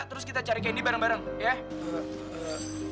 terus kita cari candy bareng bareng ya